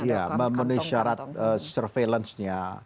iya memenuhi syarat surveillance nya